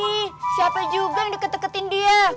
nih siapa juga yang deket deketin dia